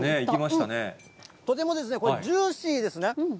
とてもこれジューシーですね。